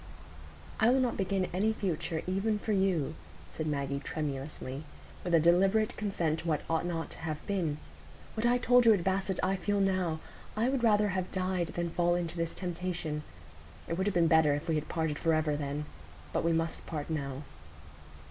"I will not begin any future, even for you," said Maggie, tremulously, "with a deliberate consent to what ought not to have been. What I told you at Basset I feel now; I would rather have died than fall into this temptation. It would have been better if we had parted forever then. But we must part now."